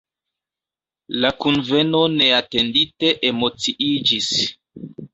La kunveno neatendite emociiĝis.